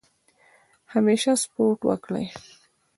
همیشه سپورټ وکړئ.